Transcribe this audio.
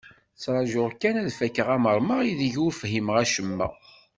Ttraǧuɣ kan ad fakken amermeɣ i deg ur fhimeɣ acemma.